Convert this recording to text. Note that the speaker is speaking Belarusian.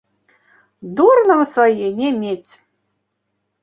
Дур нам свае не мець.